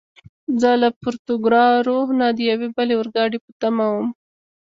زه له پورتوګرارو نه د یوې بلې اورګاډي په تمه ووم.